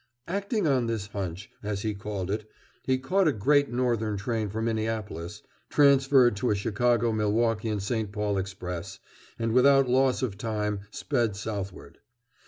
Acting on this hunch, as he called it, he caught a Great Northern train for Minneapolis, transferred to a Chicago, Milwaukee & St. Paul express, and without loss of time sped southward.